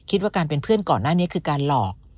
คิดว่าการเป็นเพื่อนก่อนหน้านี้คือการหลอก